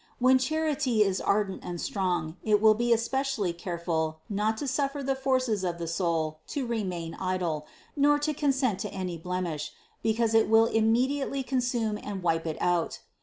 When charity is ardent and strong, it will be especially careful not to suffer the forces of the soul to remain idle, nor to consent to any blem ish, because it will immediately consume and wipe it out.